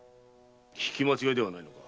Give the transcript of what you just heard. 聞き間違いではないのか？